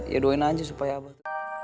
ya doain aja supaya abah